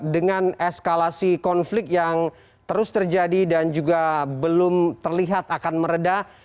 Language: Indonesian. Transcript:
dengan eskalasi konflik yang terus terjadi dan juga belum terlihat akan meredah